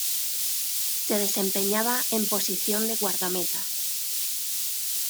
Se desempeñaba en posición de guardameta.